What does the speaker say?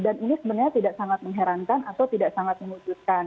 dan ini sebenarnya tidak sangat mengherankan atau tidak sangat mengujudkan